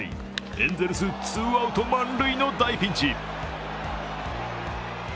エンゼルス、ツーアウト満塁の大ピンチ。